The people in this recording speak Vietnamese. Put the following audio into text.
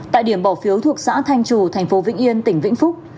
tại điểm bỏ phiếu thuộc xã thanh trù thành phố vĩnh yên tỉnh vĩnh phúc